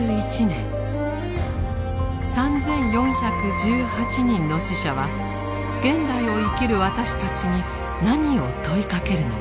３４１８人の死者は現代を生きる私たちに何を問いかけるのか。